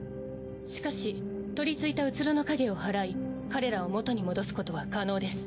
しかし取りついた虚の影を祓い彼らを元に戻すことは可能です。